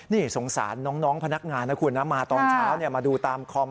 นี่สงสารน้องพนักงานนะคุณนะมาตอนเช้ามาดูตามคอม